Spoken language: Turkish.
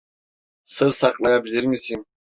Sır saklayabilir misin?